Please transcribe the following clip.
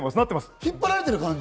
引っ張られてる感じ？